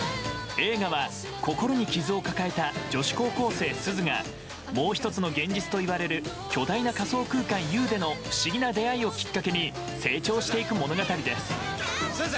映画は心に傷を抱えた女子高校生すずがもう１つの現実といわれる巨大な仮想空間Ｕでの不思議な出会いをきっかけに成長していく物語です。